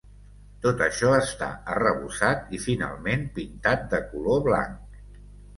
Tot això està arrebossat i finalment pintat de color blanc.